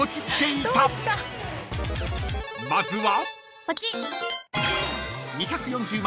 ［まずは］